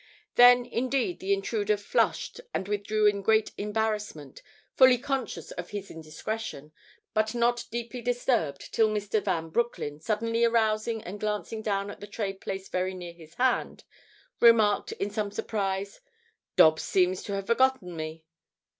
Then indeed the intruder flushed and withdrew in great embarrassment, fully conscious of his indiscretion but not deeply disturbed till Mr. Van Broecklyn, suddenly arousing and glancing down at the tray placed very near his hand remarked in some surprise: "Dobbs seems to have forgotten me."